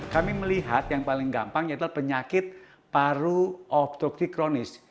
kami melihat yang paling gampang yaitu penyakit paru obstruktif